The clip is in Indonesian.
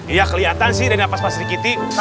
iya kelihatan sih dari nafas pak sri kitty